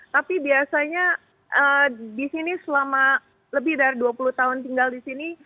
tapi biasanya di sini selama lebih dari dua puluh tahun tinggal di sini